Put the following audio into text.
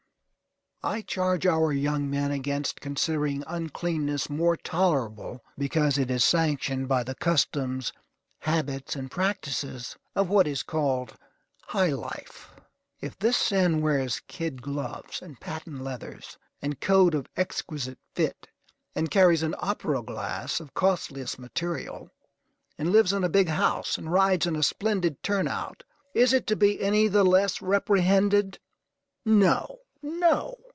I charge our young men against considering uncleanness more tolerable, because it is sanctioned by the customs, habits, and practices of what is called high life. If this sin wears kid gloves, and patent leathers, and coat of exquisite fit, and carries an opera glass of costliest material, and lives in a big house, and rides in a splendid turn out, is it to be any the less reprehended? No! No!